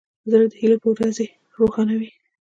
زړه د هیلو په ورځې روښانه وي.